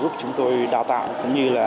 giúp chúng tôi đào tạo cũng như là